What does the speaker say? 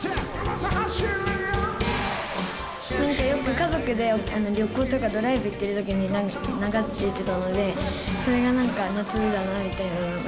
家族で旅行とかドライブ行ってるときに、流れてたので、それがなんか夏だなみたいなっていうのが。